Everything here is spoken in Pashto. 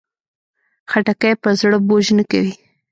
خټکی پر زړه بوج نه کوي.